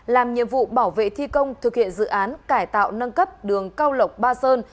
làm nhiệm vụ bảo vệ thi công thực hiện dự án cải tạo nâng cấp đường cao lộc ba sơn